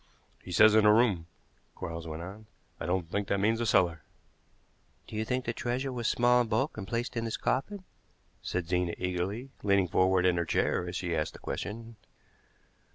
"He says in a room," Quarles went on. "I don't think that means a cellar." "Do you think the treasure was small in bulk and placed in his coffin?" said Zena eagerly, leaning forward in her chair as she asked the question.